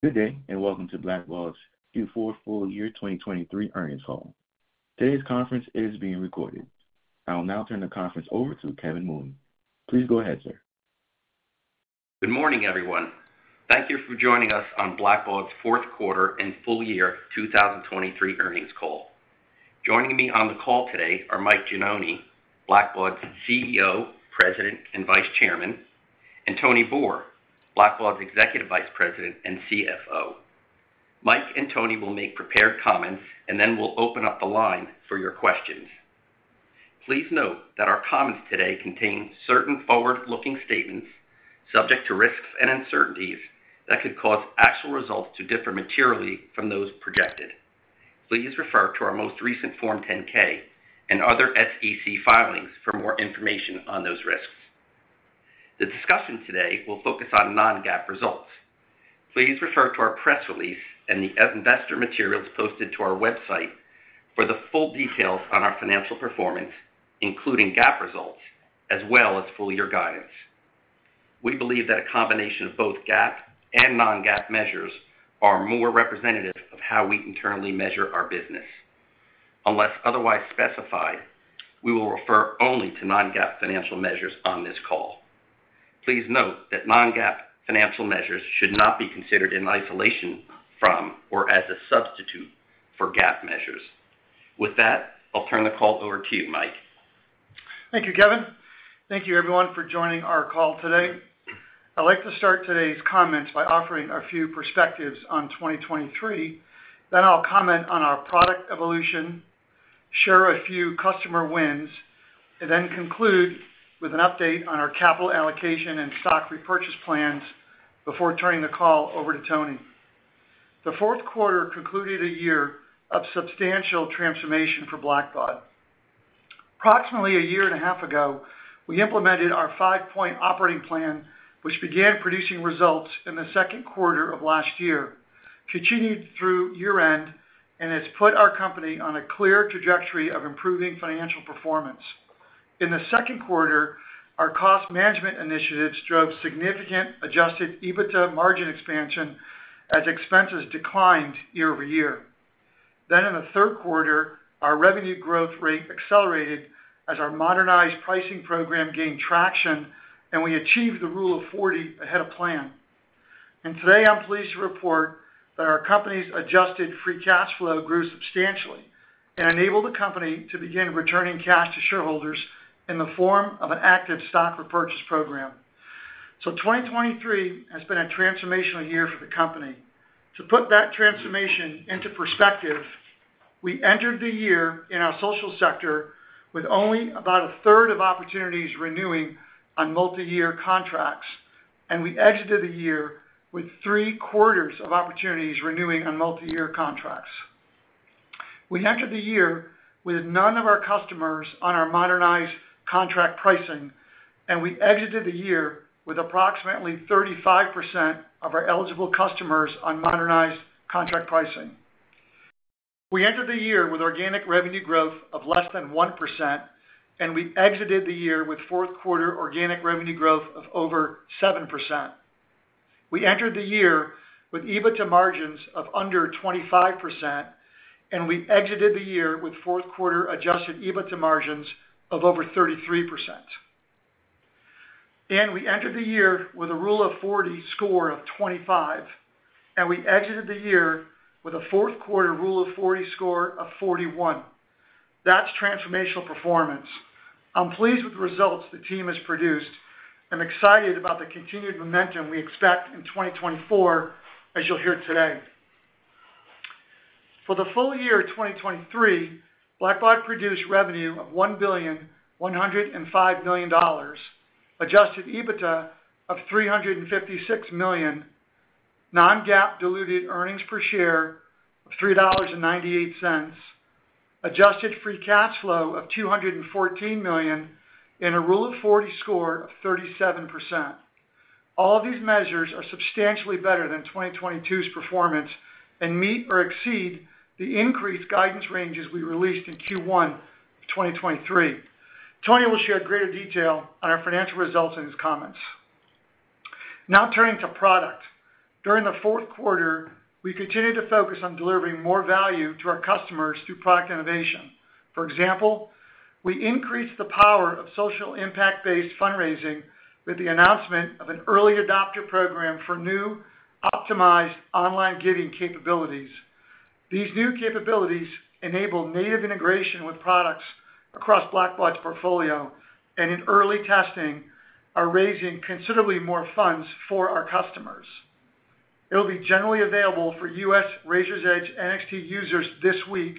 Good day and welcome to Blackbaud's Q4 full year 2023 earnings call. Today's conference is being recorded. I will now turn the conference over to Kevin Mooney. Please go ahead, sir. Good morning, everyone. Thank you for joining us on Blackbaud's fourth quarter and full year 2023 earnings call. Joining me on the call today are Mike Gianoni, Blackbaud's CEO, President, and Vice Chairman, and Tony Boor, Blackbaud's Executive Vice President and CFO. Mike and Tony will make prepared comments, and then we'll open up the line for your questions. Please note that our comments today contain certain forward-looking statements subject to risks and uncertainties that could cause actual results to differ materially from those projected. Please refer to our most recent Form 10-K and other SEC filings for more information on those risks. The discussion today will focus on non-GAAP results. Please refer to our press release and the investor materials posted to our website for the full details on our financial performance, including GAAP results as well as full year guidance. We believe that a combination of both GAAP and non-GAAP measures are more representative of how we internally measure our business. Unless otherwise specified, we will refer only to non-GAAP financial measures on this call. Please note that non-GAAP financial measures should not be considered in isolation from or as a substitute for GAAP measures. With that, I'll turn the call over to you, Mike. Thank you, Kevin. Thank you, everyone, for joining our call today. I'd like to start today's comments by offering a few perspectives on 2023. Then I'll comment on our product evolution, share a few customer wins, and then conclude with an update on our capital allocation and stock repurchase plans before turning the call over to Tony. The fourth quarter concluded a year of substantial transformation for Blackbaud. Approximately a year and a half ago, we implemented our Five-Point Operating Plan, which began producing results in the second quarter of last year, continued through year-end, and has put our company on a clear trajectory of improving financial performance. In the second quarter, our cost management initiatives drove significant Adjusted EBITDA margin expansion as expenses declined year-over-year. In the third quarter, our revenue growth rate accelerated as our modernized pricing program gained traction, and we achieved the Rule of 40 ahead of plan. Today, I'm pleased to report that our company's Adjusted Free Cash Flow grew substantially and enabled the company to begin returning cash to shareholders in the form of an active stock repurchase program. 2023 has been a transformational year for the company. To put that transformation into perspective, we entered the year in our social sector with only about a third of opportunities renewing on multi-year contracts, and we exited the year with three quarters of opportunities renewing on multi-year contracts. We entered the year with none of our customers on our modernized contract pricing, and we exited the year with approximately 35% of our eligible customers on modernized contract pricing. We entered the year with organic revenue growth of less than 1%, and we exited the year with fourth quarter organic revenue growth of over 7%. We entered the year with EBITDA margins of under 25%, and we exited the year with fourth quarter Adjusted EBITDA margins of over 33%. We entered the year with a Rule of 40 score of 25, and we exited the year with a fourth quarter Rule of 40 score of 41. That's transformational performance. I'm pleased with the results the team has produced. I'm excited about the continued momentum we expect in 2024, as you'll hear today. For the full year 2023, Blackbaud produced revenue of $1.105 billion Adjusted EBITDA of $356 million non-GAAP diluted earnings per share of $3.98, adjusted free cash flow of $214 million and a Rule of 40 score of 37%. All of these measures are substantially better than 2022's performance and meet or exceed the increased guidance ranges we released in Q1 of 2023. Tony will share greater detail on our financial results in his comments. Now turning to product. During the fourth quarter, we continued to focus on delivering more value to our customers through product innovation. For example, we increased the power of social impact-based fundraising with the announcement of an early adopter program for new optimized online giving capabilities. These new capabilities enable native integration with products across Blackbaud's portfolio, and in early testing are raising considerably more funds for our customers. It will be generally available for U.S. Raiser's Edge NXT users this week,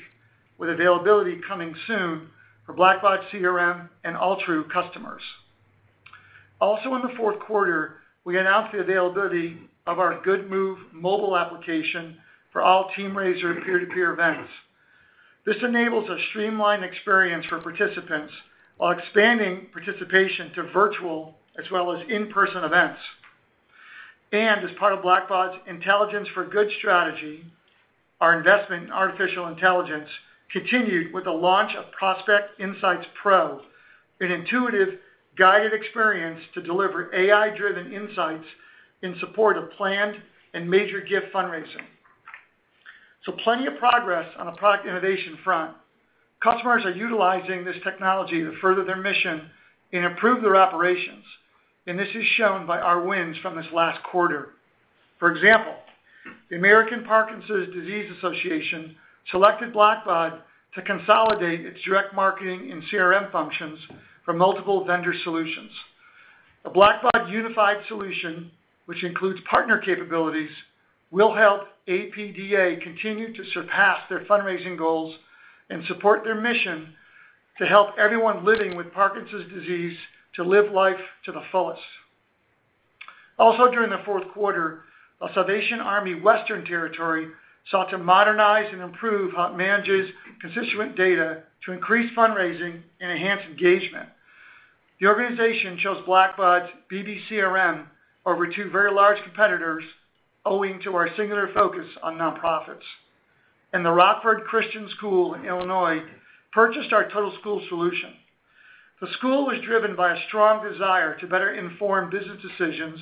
with availability coming soon for Blackbaud CRM and Altru customers. Also in the fourth quarter, we announced the availability of our Good Move mobile application for all TeamRaiser peer-to-peer events. This enables a streamlined experience for participants while expanding participation to virtual as well as in-person events. As part of Blackbaud's Intelligence for Good strategy, our investment in artificial intelligence continued with the launch of Prospect Insights Pro, an intuitive guided experience to deliver AI-driven insights in support of planned and major gift fundraising. Plenty of progress on the product innovation front. Customers are utilizing this technology to further their mission and improve their operations, and this is shown by our wins from this last quarter. For example, the American Parkinson Disease Association selected Blackbaud to consolidate its direct marketing and CRM functions for multiple vendor solutions. A Blackbaud unified solution, which includes partner capabilities, will help APDA continue to surpass their fundraising goals and support their mission to help everyone living with Parkinson's disease to live life to the fullest. Also during the fourth quarter, the Salvation Army Western Territory sought to modernize and improve managers' constituent data to increase fundraising and enhance engagement. The organization chose Blackbaud's BBCRM over two very large competitors owing to our singular focus on nonprofits. The Rockford Christian School in Illinois purchased our total school solution. The school was driven by a strong desire to better inform business decisions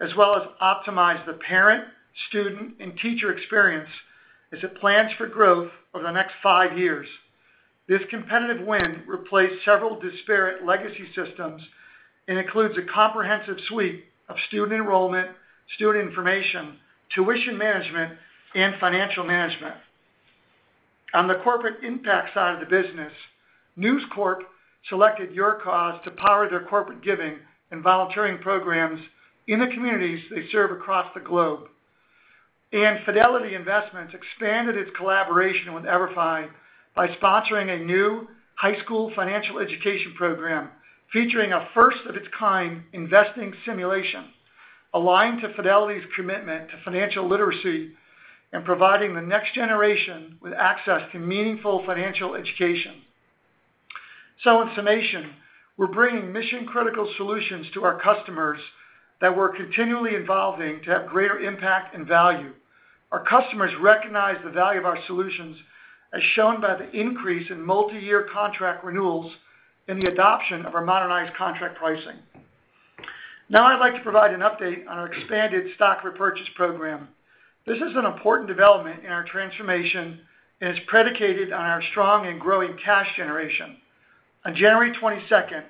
as well as optimize the parent, student, and teacher experience as it plans for growth over the next five years. This competitive win replaced several disparate legacy systems and includes a comprehensive suite of student enrollment, student information, tuition management, and financial management. On the corporate impact side of the business, News Corp selected YourCause to power their corporate giving and volunteering programs in the communities they serve across the globe. Fidelity Investments expanded its collaboration with EVERFI by sponsoring a new high school financial education program featuring a first of its kind investing simulation aligned to Fidelity's commitment to financial literacy and providing the next generation with access to meaningful financial education. So in summation, we're bringing mission-critical solutions to our customers that we're continually evolving to have greater impact and value. Our customers recognize the value of our solutions, as shown by the increase in multi-year contract renewals and the adoption of our modernized contract pricing. Now I'd like to provide an update on our expanded stock repurchase program. This is an important development in our transformation and is predicated on our strong and growing cash generation. On January 22nd,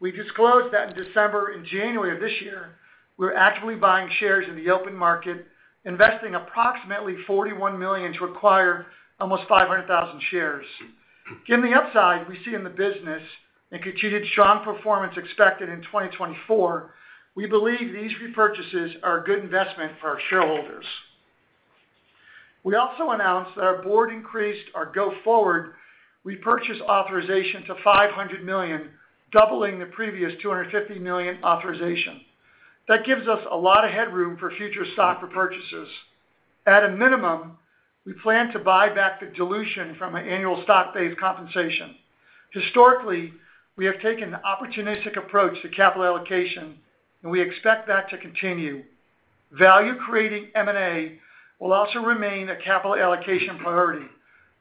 we disclosed that in December and January of this year, we were actively buying shares in the open market, investing approximately $41 million to acquire almost 500,000 shares. Given the upside we see in the business and continued strong performance expected in 2024, we believe these repurchases are a good investment for our shareholders. We also announced that our board increased our go-forward repurchase authorization to $500 million, doubling the previous $250 million authorization. That gives us a lot of headroom for future stock repurchases. At a minimum, we plan to buy back the dilution from an annual stock-based compensation. Historically, we have taken an opportunistic approach to capital allocation, and we expect that to continue. Value-creating M&A will also remain a capital allocation priority.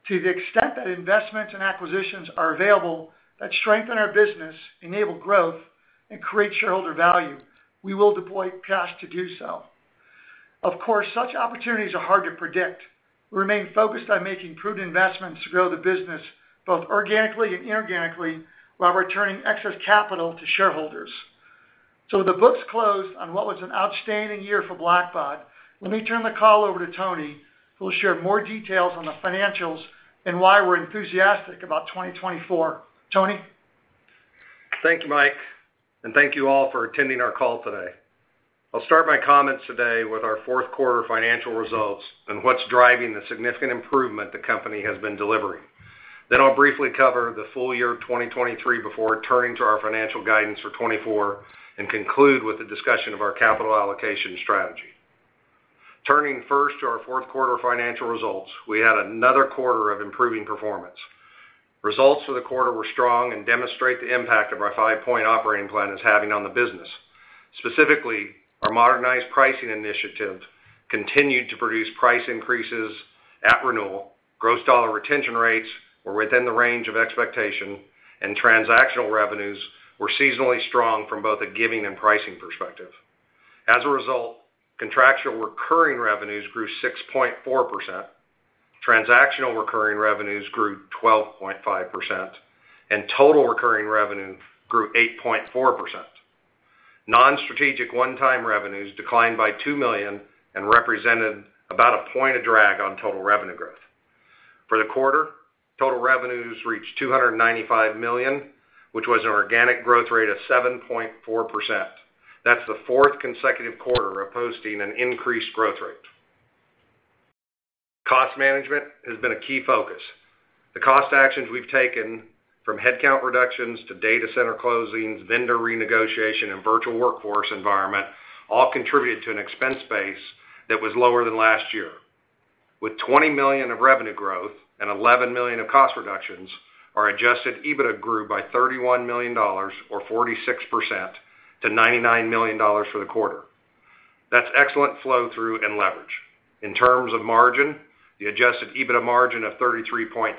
To the extent that investments and acquisitions are available that strengthen our business, enable growth, and create shareholder value, we will deploy cash to do so. Of course, such opportunities are hard to predict. We remain focused on making proven investments to grow the business both organically and inorganically while returning excess capital to shareholders. So with the books closed on what was an outstanding year for Blackbaud, let me turn the call over to Tony, who will share more details on the financials and why we're enthusiastic about 2024. Tony? Thank you, Mike. And thank you all for attending our call today. I'll start my comments today with our fourth quarter financial results and what's driving the significant improvement the company has been delivering. Then I'll briefly cover the full year 2023 before turning to our financial guidance for 2024 and conclude with the discussion of our capital allocation strategy. Turning first to our fourth quarter financial results, we had another quarter of improving performance. Results for the quarter were strong and demonstrate the impact of our Five-Point Operating Plan is having on the business. Specifically, our modernized pricing initiative continued to produce price increases at renewal. Gross dollar retention rates were within the range of expectation, and transactional revenues were seasonally strong from both a giving and pricing perspective. As a result, contractual recurring revenues grew 6.4%, transactional recurring revenues grew 12.5%, and total recurring revenue grew 8.4%. Non-strategic one-time revenues declined by $2 million and represented about a point of drag on total revenue growth. For the quarter, total revenues reached $295 million, which was an organic growth rate of 7.4%. That's the fourth consecutive quarter of posting an increased growth rate. Cost management has been a key focus. The cost actions we've taken, from headcount reductions to data center closings, vendor renegotiation, and virtual workforce environment, all contributed to an expense base that was lower than last year. With $20 million of revenue growth and $11 million of cost reductions, our Adjusted EBITDA grew by $31 million, or 46%, to $99 million for the quarter. That's excellent flow-through and leverage. In terms of margin, the Adjusted EBITDA margin of 33.6%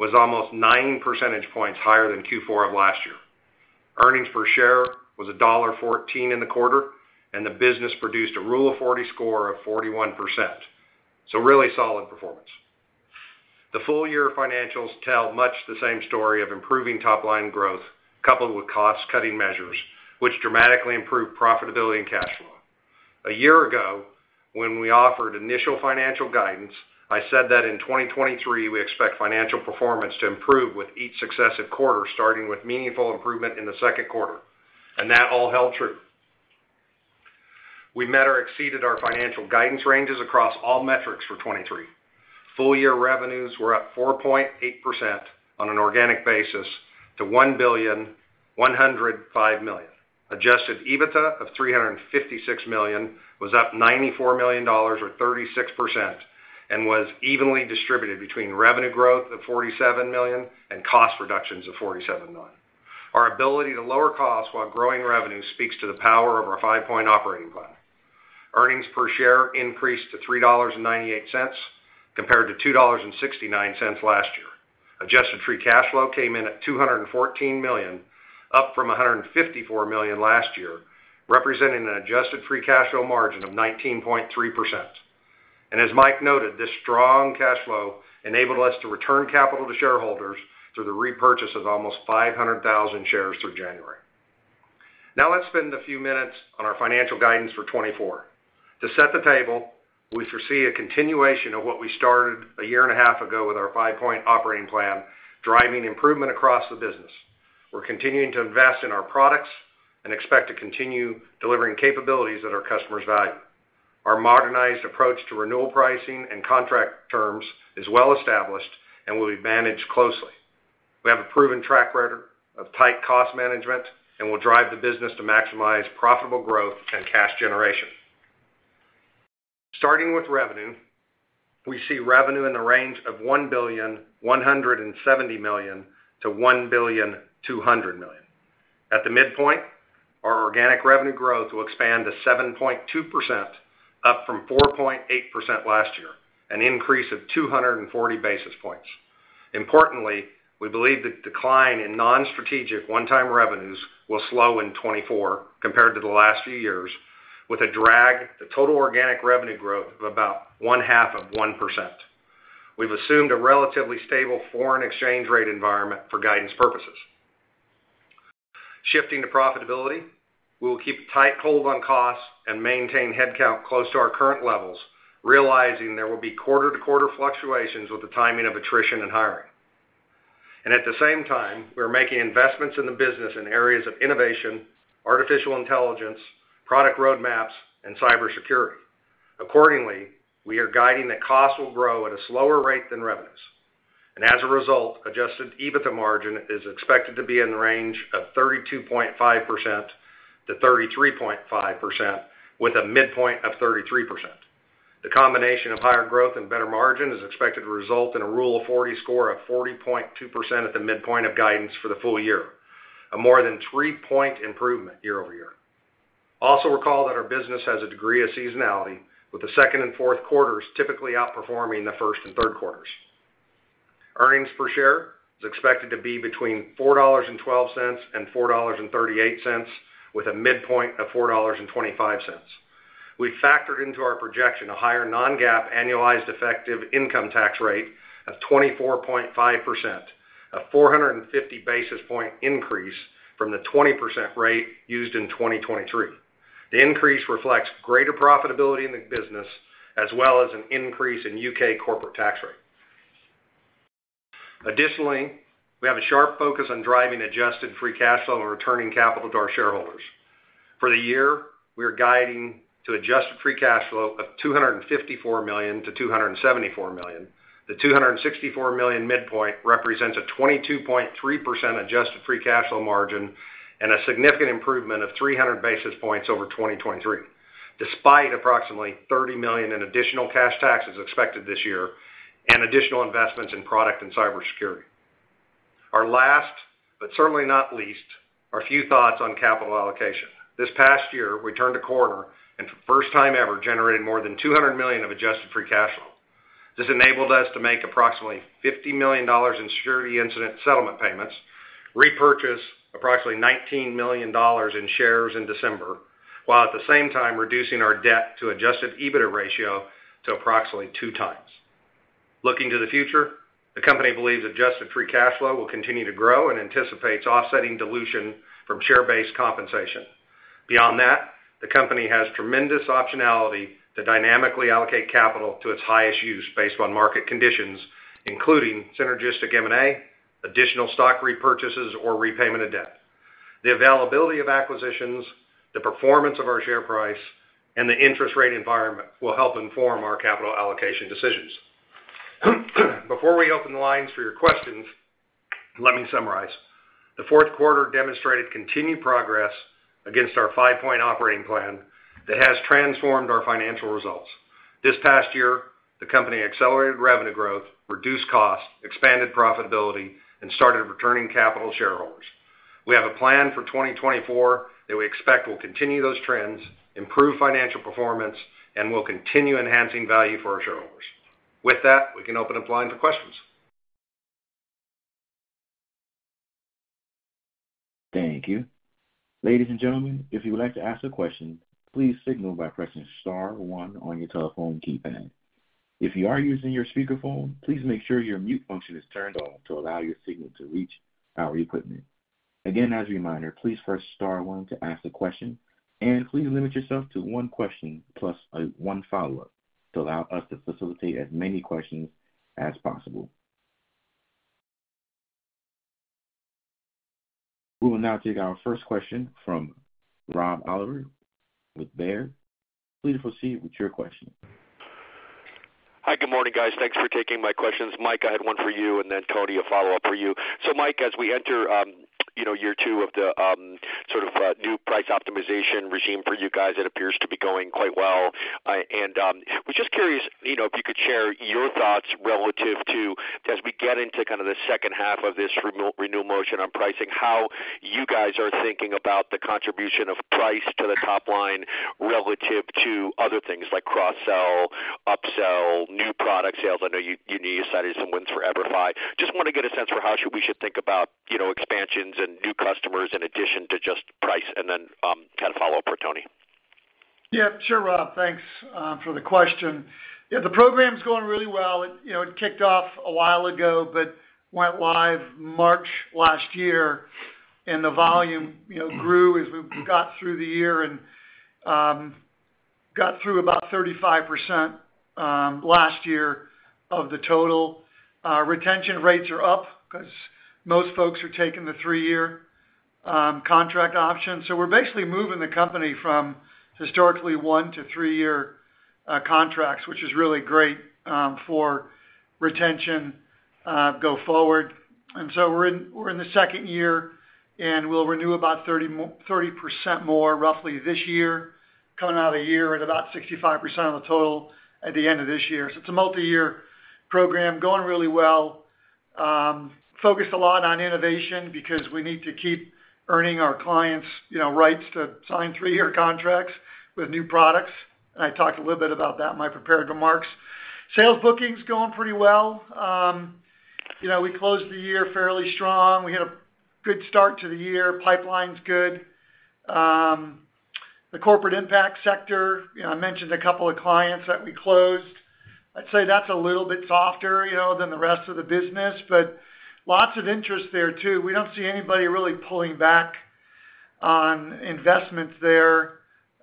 was almost 9 percentage points higher than Q4 of last year. Earnings per share was $1.14 in the quarter, and the business produced a Rule of 40 score of 41%. So really solid performance. The full year financials tell much the same story of improving top-line growth coupled with cost-cutting measures, which dramatically improved profitability and cash flow. A year ago, when we offered initial financial guidance, I said that in 2023 we expect financial performance to improve with each successive quarter starting with meaningful improvement in the second quarter. That all held true. We met or exceeded our financial guidance ranges across all metrics for 2023. Full year revenues were up 4.8% on an organic basis to $1,105,000,000. Adjusted EBITDA of $356 million was up $94 million, or 36%, and was evenly distributed between revenue growth of $47 million and cost reductions of $47 million. Our ability to lower costs while growing revenue speaks to the power of our Five-Point Operating Plan. Earnings per share increased to $3.98 compared to $2.69 last year. Adjusted Free Cash Flow came in at $214 million, up from $154 million last year, representing an adjusted free cash flow margin of 19.3%. And as Mike noted, this strong cash flow enabled us to return capital to shareholders through the repurchase of almost 500,000 shares through January. Now let's spend a few minutes on our financial guidance for 2024. To set the table, we foresee a continuation of what we started a year and a half ago with our Five-Point Operating Plan, driving improvement across the business. We're continuing to invest in our products and expect to continue delivering capabilities that our customers value. Our modernized approach to renewal pricing and contract terms is well established and will be managed closely. We have a proven track record of tight cost management and will drive the business to maximize profitable growth and cash generation. Starting with revenue, we see revenue in the range of $1,170 million-$1,200 million. At the midpoint, our organic revenue growth will expand to 7.2%, up from 4.8% last year, an increase of 240 basis points. Importantly, we believe the decline in non-strategic one-time revenues will slow in 2024 compared to the last few years, with a drag to total organic revenue growth of about 0.5%. We've assumed a relatively stable foreign exchange rate environment for guidance purposes. Shifting to profitability, we will keep a tight hold on costs and maintain headcount close to our current levels, realizing there will be quarter-to-quarter fluctuations with the timing of attrition and hiring. At the same time, we are making investments in the business in areas of innovation, artificial intelligence, product roadmaps, and cybersecurity. Accordingly, we are guiding that costs will grow at a slower rate than revenues. As a result, Adjusted EBITDA margin is expected to be in the range of 32.5%-33.5%, with a midpoint of 33%. The combination of higher growth and better margin is expected to result in a Rule of 40 score of 40.2% at the midpoint of guidance for the full year, a more than three-point improvement year-over-year. Also recall that our business has a degree of seasonality, with the second and fourth quarters typically outperforming the first and third quarters. Earnings per share is expected to be between $4.12 and $4.38, with a midpoint of $4.25. We've factored into our projection a higher non-GAAP annualized effective income tax rate of 24.5%, a 450 basis point increase from the 20% rate used in 2023. The increase reflects greater profitability in the business as well as an increase in U.K. corporate tax rate. Additionally, we have a sharp focus on driving adjusted free cash flow and returning capital to our shareholders. For the year, we are guiding to adjusted free cash flow of $254 million-$274 million. The $264 million midpoint represents a 22.3% adjusted free cash flow margin and a significant improvement of 300 basis points over 2023, despite approximately $30 million in additional cash tax is expected this year and additional investments in product and cybersecurity. Our last, but certainly not least, are a few thoughts on capital allocation. This past year, we turned a corner and for the first time ever generated more than $200 million of Adjusted Free Cash Flow. This enabled us to make approximately $50 million in security incident settlement payments, repurchase approximately $19 million in shares in December, while at the same time reducing our debt-to-Adjusted EBITDA ratio to approximately 2x. Looking to the future, the company believes Adjusted Free Cash Flow will continue to grow and anticipates offsetting dilution from share-based compensation. Beyond that, the company has tremendous optionality to dynamically allocate capital to its highest use based on market conditions, including synergistic M&A, additional stock repurchases, or repayment of debt. The availability of acquisitions, the performance of our share price, and the interest rate environment will help inform our capital allocation decisions. Before we open the lines for your questions, let me summarize. The fourth quarter demonstrated continued progress against our Five-Point Operating Plan that has transformed our financial results. This past year, the company accelerated revenue growth, reduced costs, expanded profitability, and started returning capital to shareholders. We have a plan for 2024 that we expect will continue those trends, improve financial performance, and will continue enhancing value for our shareholders. With that, we can open up the line for questions. Thank you. Ladies and gentlemen, if you would like to ask a question, please signal by pressing star one on your telephone keypad. If you are using your speakerphone, please make sure your mute function is turned off to allow your signal to reach our equipment. Again, as a reminder, please press star one to ask a question, and please limit yourself to one question plus one follow-up to allow us to facilitate as many questions as possible. We will now take our first question from Rob Oliver with Baird. Please proceed with your question. Hi. Good morning, guys. Thanks for taking my questions. Mike, I had one for you, and then Tony, a follow-up for you. So Mike, as we enter year two of the sort of new price optimization regime for you guys, it appears to be going quite well. And we're just curious if you could share your thoughts relative to, as we get into kind of the second half of this renewal motion on pricing, how you guys are thinking about the contribution of price to the top line relative to other things like cross-sell, upsell, new product sales. I know you cited some wins for EVERFI. Just want to get a sense for how we should think about expansions and new customers in addition to just price, and then kind of follow up with Tony. Yeah. Sure, Rob. Thanks for the question. Yeah, the program's going really well. It kicked off a while ago but went live March last year, and the volume grew as we got through the year and got through about 35% last year of the total. Retention rates are up because most folks are taking the three-year contract option. So we're basically moving the company from historically one to three-year contracts, which is really great for retention go forward. And so we're in the second year, and we'll renew about 30% more roughly this year, coming out of a year at about 65% of the total at the end of this year. So it's a multi-year program going really well, focused a lot on innovation because we need to keep earning our clients' rights to sign three-year contracts with new products. And I talked a little bit about that in my prepared remarks. Sales booking's going pretty well. We closed the year fairly strong. We had a good start to the year. Pipeline's good. The corporate impact sector, I mentioned a couple of clients that we closed. I'd say that's a little bit softer than the rest of the business, but lots of interest there too. We don't see anybody really pulling back on investments there.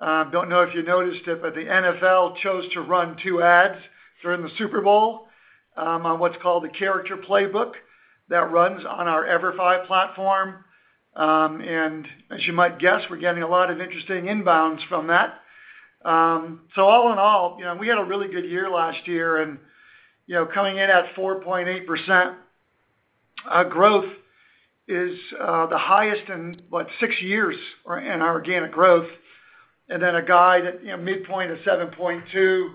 Don't know if you noticed it, but the NFL chose to run two ads during the Super Bowl on what's called the Character Playbook that runs on our EVERFI platform. And as you might guess, we're getting a lot of interesting inbounds from that. So, all in all, we had a really good year last year, and coming in at 4.8% growth is the highest in, what, six years in our organic growth, and then a guy that midpoint of 7.2,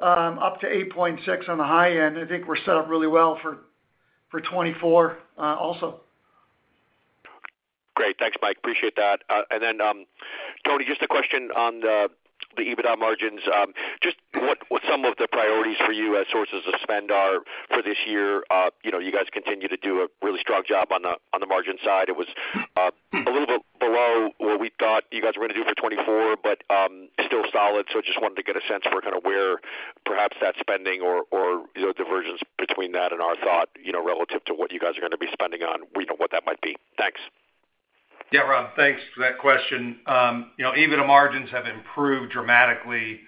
up to 8.6 on the high end. I think we're set up really well for 2024 also. Great. Thanks, Mike. Appreciate that. And then, Tony, just a question on the EBITDA margins. Just what some of the priorities for you as sources of spend are for this year. You guys continue to do a really strong job on the margin side. It was a little bit below what we thought you guys were going to do for 2024 but still solid. So just wanted to get a sense for kind of where perhaps that spending or the versions between that and our thought relative to what you guys are going to be spending on, what that might be. Thanks. Yeah, Rob. Thanks for that question. EBITDA margins have improved dramatically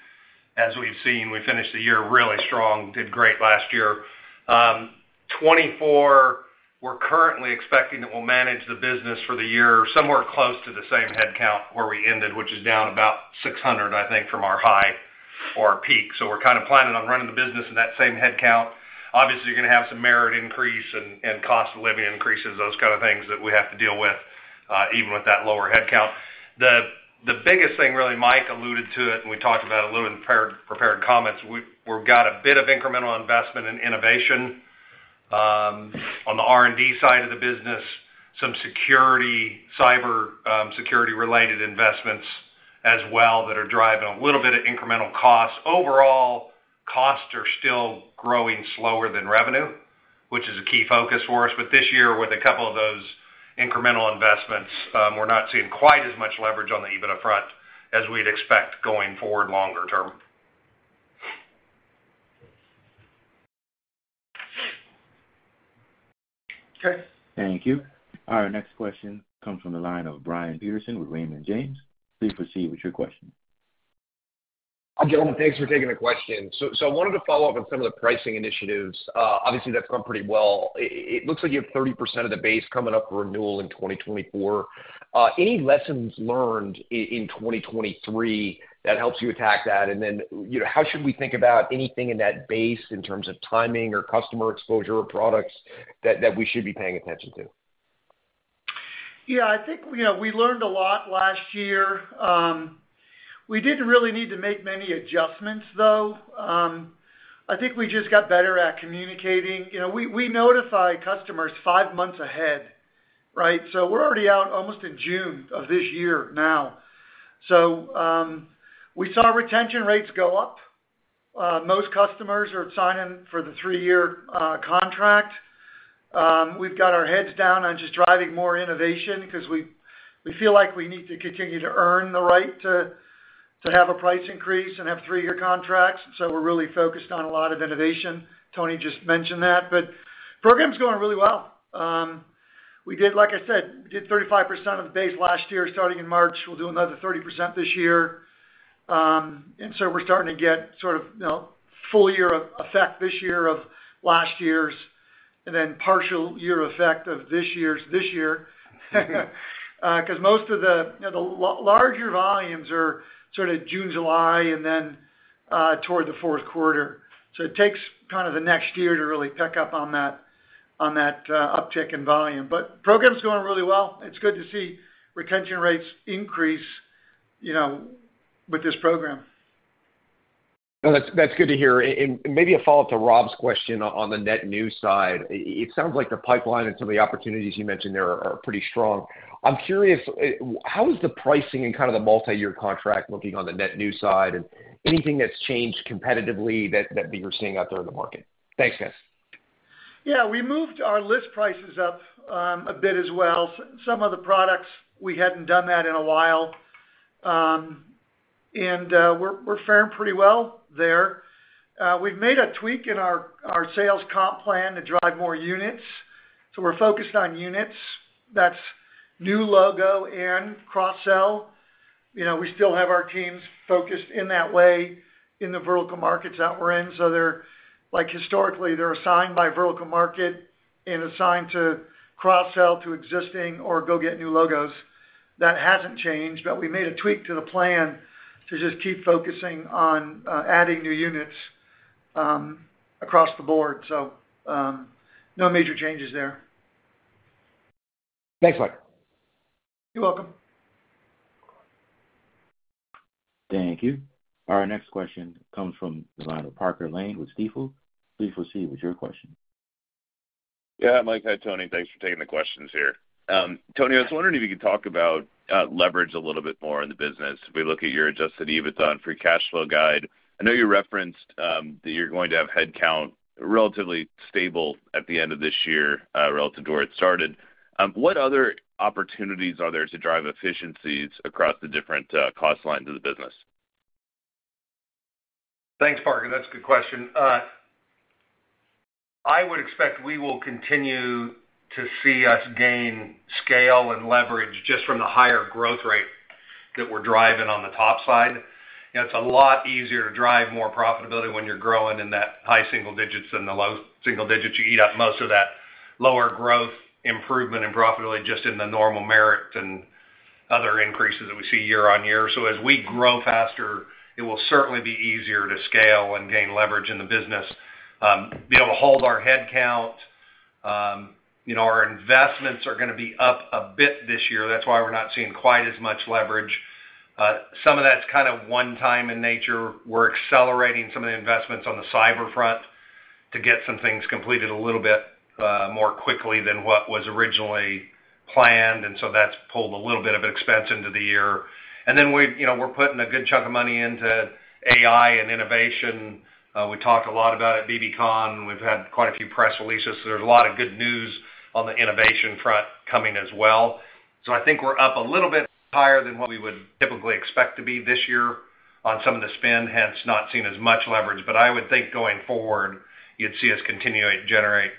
as we've seen. We finished the year really strong, did great last year. 2024, we're currently expecting that we'll manage the business for the year somewhere close to the same headcount where we ended, which is down about 600, I think, from our high or our peak. So we're kind of planning on running the business in that same headcount. Obviously, you're going to have some merit increase and cost of living increases, those kind of things that we have to deal with even with that lower headcount. The biggest thing really, Mike alluded to it, and we talked about it a little in the prepared comments. We've got a bit of incremental investment in innovation on the R&D side of the business, some cyber security-related investments as well that are driving a little bit of incremental cost. Overall, costs are still growing slower than revenue, which is a key focus for us. But this year, with a couple of those incremental investments, we're not seeing quite as much leverage on the EBITDA front as we'd expect going forward longer term. Okay. Thank you. All right. Next question comes from the line of Brian Peterson with Raymond James. Please proceed with your question. Gentlemen, thanks for taking the question. I wanted to follow up on some of the pricing initiatives. Obviously, that's gone pretty well. It looks like you have 30% of the base coming up for renewal in 2024. Any lessons learned in 2023 that helps you attack that? And then how should we think about anything in that base in terms of timing or customer exposure or products that we should be paying attention to? Yeah. I think we learned a lot last year. We didn't really need to make many adjustments, though. I think we just got better at communicating. We notify customers five months ahead, right? So we're already out almost in June of this year now. So we saw retention rates go up. Most customers are signing for the three-year contract. We've got our heads down on just driving more innovation because we feel like we need to continue to earn the right to have a price increase and have three-year contracts. So we're really focused on a lot of innovation. Tony just mentioned that. But program's going really well. Like I said, we did 35% of the base last year starting in March. We'll do another 30% this year. We're starting to get sort of full-year effect this year of last year's and then partial-year effect of this year's this year because most of the larger volumes are sort of June, July, and then toward the fourth quarter. It takes kind of the next year to really pick up on that uptick in volume. Program's going really well. It's good to see retention rates increase with this program. Well, that's good to hear. Maybe a follow-up to Rob's question on the net new side. It sounds like the pipeline and some of the opportunities you mentioned there are pretty strong. I'm curious, how is the pricing and kind of the multi-year contract looking on the net new side and anything that's changed competitively that you're seeing out there in the market? Thanks, guys. Yeah. We moved our list prices up a bit as well. Some of the products, we hadn't done that in a while. And we're faring pretty well there. We've made a tweak in our sales comp plan to drive more units. So we're focused on units. That's new logo and cross-sell. We still have our teams focused in that way in the vertical markets that we're in. So historically, they're assigned by vertical market and assigned to cross-sell to existing or go get new logos. That hasn't changed, but we made a tweak to the plan to just keep focusing on adding new units across the board. So no major changes there. Thanks, Mike. You're welcome. Thank you. All right. Next question comes from the line of Parker Lane with Stifel. Please proceed with your question. Yeah. Mike, hi Tony. Thanks for taking the questions here. Tony, I was wondering if you could talk about leverage a little bit more in the business. If we look at your Adjusted EBITDA and free cash flow guide, I know you referenced that you're going to have headcount relatively stable at the end of this year relative to where it started. What other opportunities are there to drive efficiencies across the different cost lines of the business? Thanks, Parker. That's a good question. I would expect we will continue to see us gain scale and leverage just from the higher growth rate that we're driving on the top side. It's a lot easier to drive more profitability when you're growing in that high single digits than the low single digits. You eat up most of that lower growth improvement in profitability just in the normal merit and other increases that we see year-over-year. So as we grow faster, it will certainly be easier to scale and gain leverage in the business. Be able to hold our headcount. Our investments are going to be up a bit this year. That's why we're not seeing quite as much leverage. Some of that's kind of one-time in nature. We're accelerating some of the investments on the cyber front to get some things completed a little bit more quickly than what was originally planned. And so that's pulled a little bit of an expense into the year. And then we're putting a good chunk of money into AI and innovation. We talked a lot about at bbcon. We've had quite a few press releases. So there's a lot of good news on the innovation front coming as well. So I think we're up a little bit higher than what we would typically expect to be this year on some of the spend, hence not seeing as much leverage. But I would think going forward, you'd see us continue to generate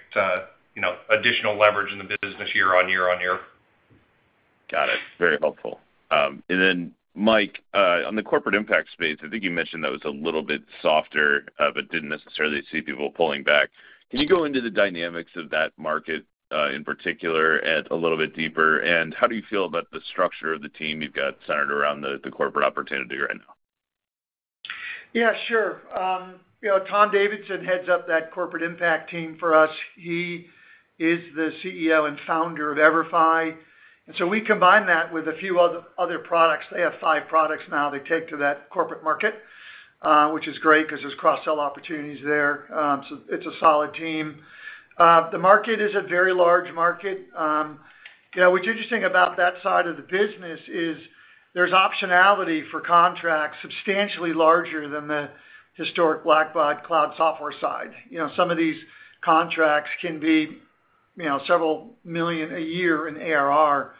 additional leverage in the business year on year on year. Got it. Very helpful. And then Mike, on the corporate impact space, I think you mentioned that was a little bit softer but didn't necessarily see people pulling back. Can you go into the dynamics of that market in particular a little bit deeper? And how do you feel about the structure of the team you've got centered around the corporate opportunity right now? Yeah. Sure. Tom Davidson heads up that corporate impact team for us. He is the CEO and founder of EVERFI. So we combine that with a few other products. They have 5 products now they take to that corporate market, which is great because there's cross-sell opportunities there. It's a solid team. The market is a very large market. What's interesting about that side of the business is there's optionality for contracts substantially larger than the historic Blackbaud Cloud software side. Some of these contracts can be $several million a year in ARR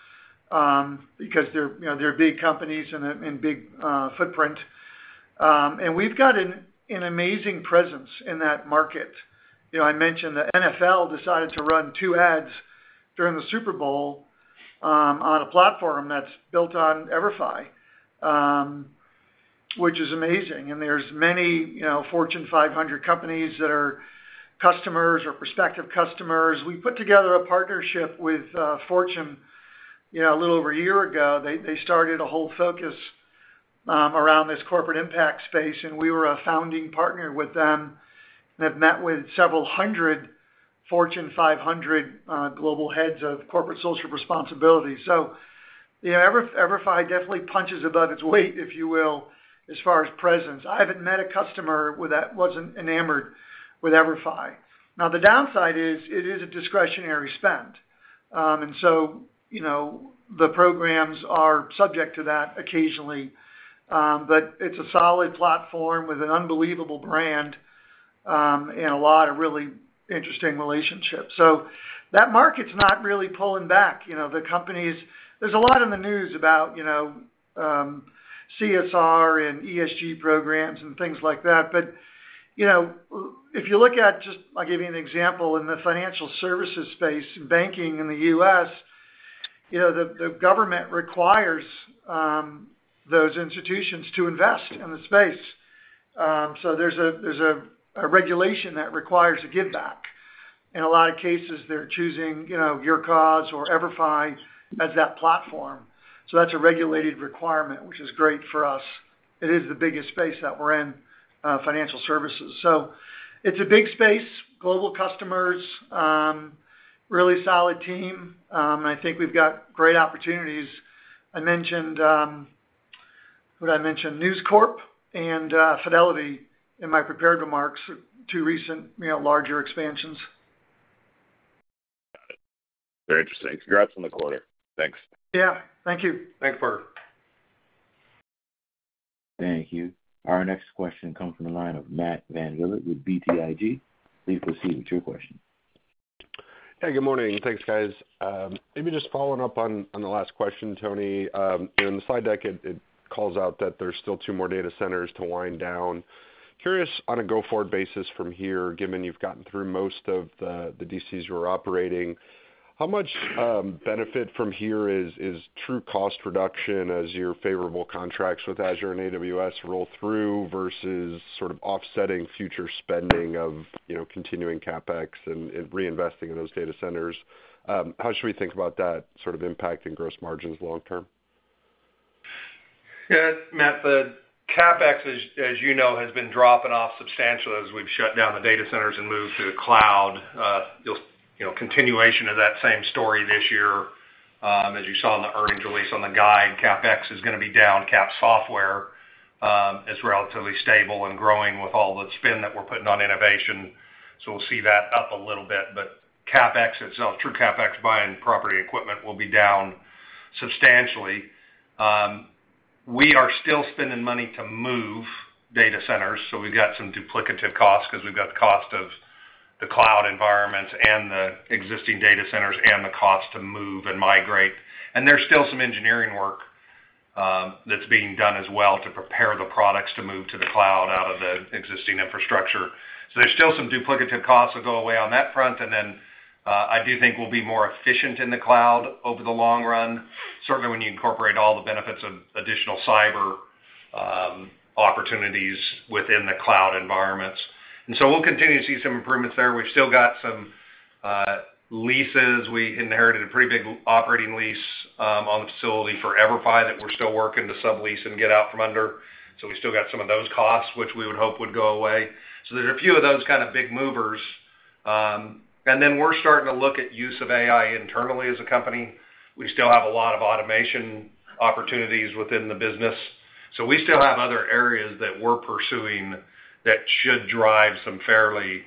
because they're big companies and big footprint. We've got an amazing presence in that market. I mentioned the NFL decided to run two ads during the Super Bowl on a platform that's built on EVERFI, which is amazing. There's many Fortune 500 companies that are customers or prospective customers. We put together a partnership with Fortune a little over a year ago. They started a whole focus around this corporate impact space, and we were a founding partner with them and have met with several hundred Fortune 500 global heads of corporate social responsibility. So EVERFI definitely punches above its weight, if you will, as far as presence. I haven't met a customer that wasn't enamored with EVERFI. Now, the downside is it is a discretionary spend. And so the programs are subject to that occasionally. But it's a solid platform with an unbelievable brand and a lot of really interesting relationships. So that market's not really pulling back. There's a lot in the news about CSR and ESG programs and things like that. But if you look at just I'll give you an example. In the financial services space, banking in the U.S., the government requires those institutions to invest in the space. So there's a regulation that requires a give-back. In a lot of cases, they're choosing YourCause or EVERFI as that platform. So that's a regulated requirement, which is great for us. It is the biggest space that we're in, financial services. So it's a big space, global customers, really solid team. And I think we've got great opportunities. I mentioned who'd I mentioned? News Corp and Fidelity in my prepared remarks, two recent larger expansions. Got it. Very interesting. Congrats on the quarter. Thanks. Yeah. Thank you. Thanks, Parker. Thank you. All right. Next question comes from the line of Matt VanVliet with BTIG. Please proceed with your question. Yeah. Good morning. Thanks, guys. Maybe just following up on the last question, Tony. In the slide deck, it calls out that there's still two more data centers to wind down. Curious, on a go-forward basis from here, given you've gotten through most of the DCs you were operating, how much benefit from here is true cost reduction as your favorable contracts with Azure and AWS roll through versus sort of offsetting future spending of continuing CapEx and reinvesting in those data centers? How should we think about that sort of impacting gross margins long term? Yeah. Matt, the CapEx, as you know, has been dropping off substantially as we've shut down the data centers and moved to the cloud. Continuation of that same story this year. As you saw in the earnings release on the guide, CapEx is going to be down. Cap Software is relatively stable and growing with all the spend that we're putting on innovation. So we'll see that up a little bit. But CapEx itself, true CapEx buying property equipment, will be down substantially. We are still spending money to move data centers. So we've got some duplicative costs because we've got the cost of the cloud environments and the existing data centers and the cost to move and migrate. And there's still some engineering work that's being done as well to prepare the products to move to the cloud out of the existing infrastructure. So there's still some duplicative costs that go away on that front. And then I do think we'll be more efficient in the cloud over the long run, certainly when you incorporate all the benefits of additional cyber opportunities within the cloud environments. And so we'll continue to see some improvements there. We've still got some leases. We inherited a pretty big operating lease on the facility for EVERFI that we're still working to sublease and get out from under. So we still got some of those costs, which we would hope would go away. So there's a few of those kind of big movers. And then we're starting to look at use of AI internally as a company. We still have a lot of automation opportunities within the business. So we still have other areas that we're pursuing that should drive some fairly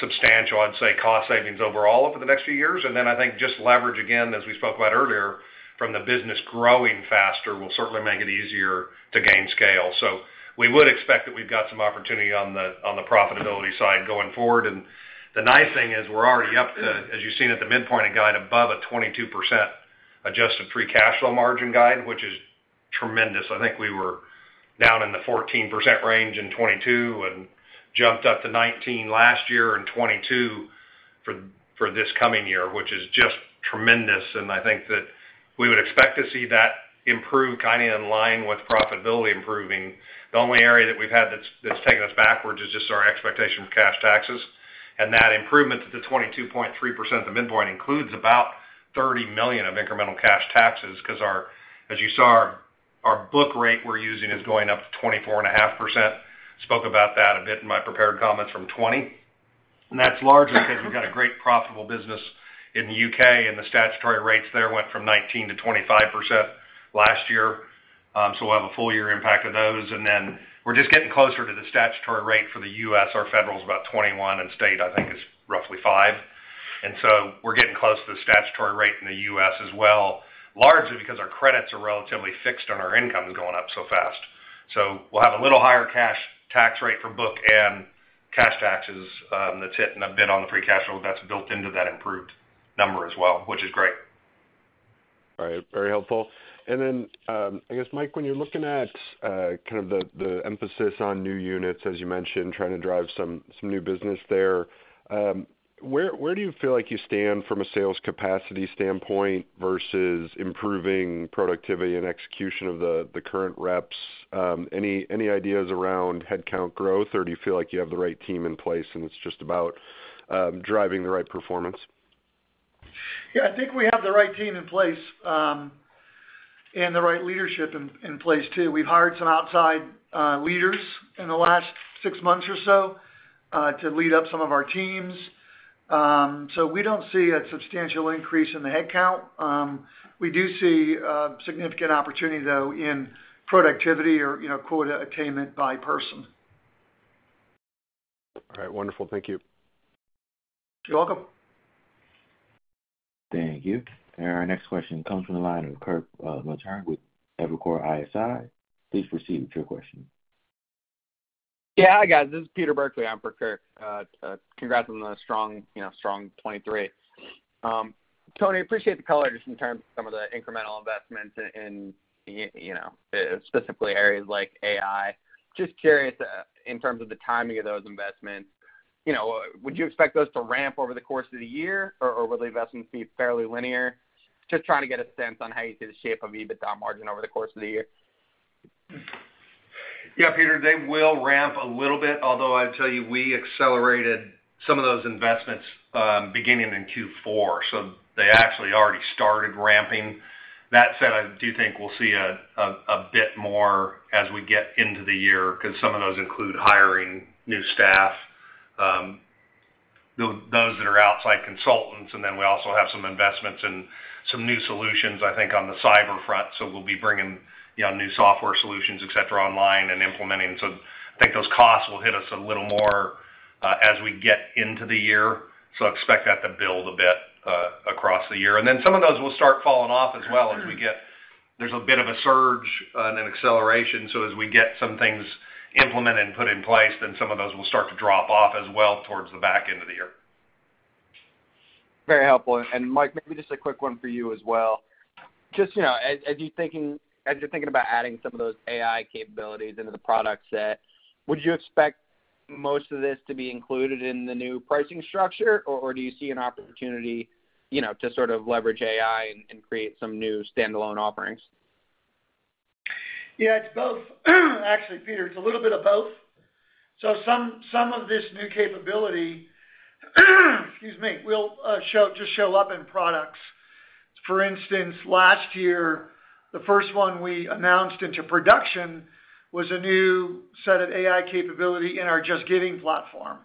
substantial, I'd say, cost savings overall over the next few years. And then I think just leverage, again, as we spoke about earlier, from the business growing faster will certainly make it easier to gain scale. So we would expect that we've got some opportunity on the profitability side going forward. And the nice thing is we're already up to, as you've seen at the midpoint of guide, above a 22% adjusted free cash flow margin guide, which is tremendous. I think we were down in the 14% range in 2022 and jumped up to 19% last year and 22% for this coming year, which is just tremendous. And I think that we would expect to see that improve kind of in line with profitability improving. The only area that we've had that's taken us backwards is just our expectation for cash taxes. And that improvement to the 22.3% at the midpoint includes about $30 million of incremental cash taxes because, as you saw, our book rate we're using is going up to 24.5%. Spoke about that a bit in my prepared comments from 20%. And that's largely because we've got a great profitable business in the U.K., and the statutory rates there went from 19%-25% last year. So we'll have a full-year impact of those. And then we're just getting closer to the statutory rate for the U.S. Our federal is about 21% and state, I think, is roughly 5%. And so we're getting close to the statutory rate in the U.S. as well, largely because our credits are relatively fixed on our incomes going up so fast. We'll have a little higher cash tax rate for book and cash taxes that's hit a bit on the free cash flow that's built into that improved number as well, which is great. All right. Very helpful. And then I guess, Mike, when you're looking at kind of the emphasis on new units, as you mentioned, trying to drive some new business there, where do you feel like you stand from a sales capacity standpoint versus improving productivity and execution of the current reps? Any ideas around headcount growth, or do you feel like you have the right team in place and it's just about driving the right performance? Yeah. I think we have the right team in place and the right leadership in place too. We've hired some outside leaders in the last six months or so to lead up some of our teams. So we don't see a substantial increase in the headcount. We do see significant opportunity, though, in productivity or quota attainment by person. All right. Wonderful. Thank you. You're welcome. Thank you. All right. Next question comes from the line of Kirk Materne with Evercore ISI. Please proceed with your question. Yeah. Hi, guys. This is Peter Burkly. I'm for Kirk Materne. Congrats on the strong 2023. Tony, I appreciate the colors in terms of some of the incremental investments in specifically areas like AI. Just curious, in terms of the timing of those investments, would you expect those to ramp over the course of the year, or will the investments be fairly linear? Just trying to get a sense on how you see the shape of EBITDA margin over the course of the year. Yeah, Peter. They will ramp a little bit, although I'd tell you we accelerated some of those investments beginning in Q4. So they actually already started ramping. That said, I do think we'll see a bit more as we get into the year because some of those include hiring new staff, those that are outside consultants. And then we also have some investments in some new solutions, I think, on the cyber front. So we'll be bringing new software solutions, etc., online and implementing. So I think those costs will hit us a little more as we get into the year. So expect that to build a bit across the year. And then some of those will start falling off as well. As we get, there's a bit of a surge and an acceleration. As we get some things implemented and put in place, then some of those will start to drop off as well towards the back end of the year. Very helpful. And Mike, maybe just a quick one for you as well. Just as you're thinking about adding some of those AI capabilities into the product set, would you expect most of this to be included in the new pricing structure, or do you see an opportunity to sort of leverage AI and create some new standalone offerings? Yeah. Actually, Peter, it's a little bit of both. So some of this new capability excuse me, will just show up in products. For instance, last year, the first one we announced into production was a new set of AI capability in our JustGiving platform,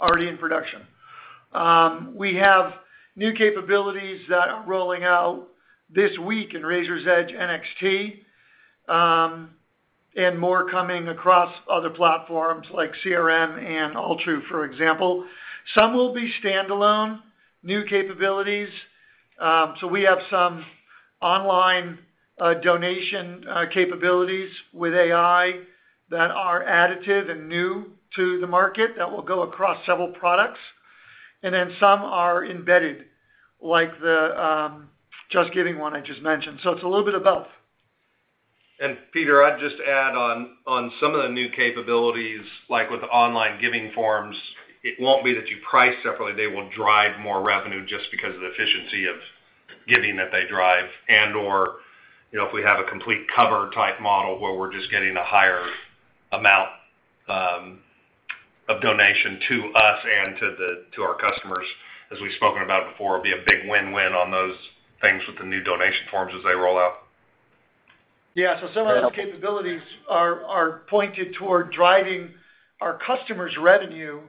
already in production. We have new capabilities that are rolling out this week in Raiser's Edge NXT and more coming across other platforms like CRM and Altru, for example. Some will be standalone, new capabilities. So we have some online donation capabilities with AI that are additive and new to the market that will go across several products. And then some are embedded, like the JustGiving one I just mentioned. So it's a little bit of both. And Peter, I'd just add on some of the new capabilities, like with the online giving forms, it won't be that you price separately. They will drive more revenue just because of the efficiency of giving that they drive. And/or if we have a complete cover type model where we're just getting a higher amount of donation to us and to our customers, as we've spoken about before, it'll be a big win-win on those things with the new donation forms as they roll out. Yeah. So some of those capabilities are pointed toward driving our customers' revenue,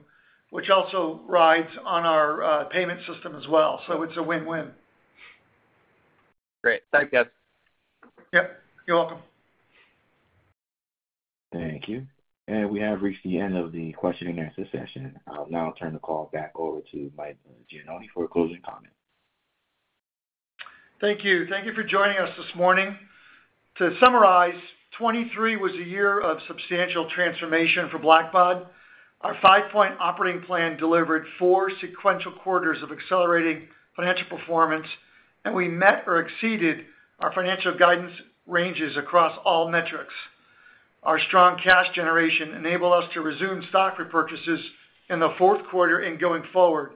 which also rides on our payment system as well. So it's a win-win. Great. Thanks, guys. Yep. You're welcome. Thank you. We have reached the end of the question and answer session. I'll now turn the call back over to Mike Gianoni for a closing comment. Thank you. Thank you for joining us this morning. To summarize, 2023 was a year of substantial transformation for Blackbaud. Our Five-Point Operating Plan delivered four sequential quarters of accelerating financial performance, and we met or exceeded our financial guidance ranges across all metrics. Our strong cash generation enabled us to resume stock repurchases in the fourth quarter and going forward.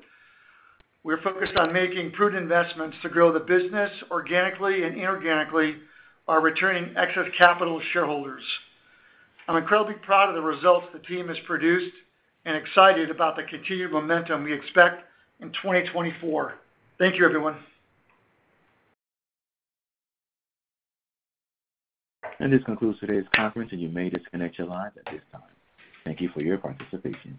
We're focused on making prudent investments to grow the business organically and inorganically, while returning excess capital to shareholders. I'm incredibly proud of the results the team has produced and excited about the continued momentum we expect in 2024. Thank you, everyone. This concludes today's conference, and you may disconnect your lines at this time. Thank you for your participation.